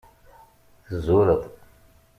Tuzureḍ.